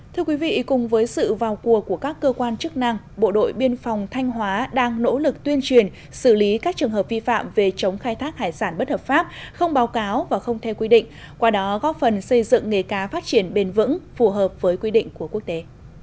thưa quý vị cùng với sự vào cua của các cơ quan chức năng bộ đội biên phòng thanh hóa đang nỗ lực tuyên truyền xử lý các trường hợp vi phạm về chống khai thác hải sản bất hợp pháp không báo cáo và không theo quy định qua đó góp phần xây dựng nghề cá phát triển bền vững phù hợp với quy định của quốc tế